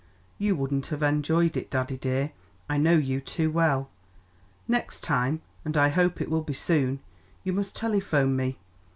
You wouldn't have enjoyed it, daddy dear; I know you too well. Next time and I hope it will be soon you must telephone me.